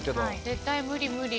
絶対無理無理。